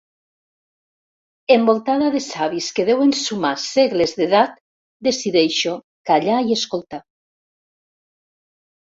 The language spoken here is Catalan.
Envoltada de savis que deuen sumar segles d'edat, decideixo callar i escoltar.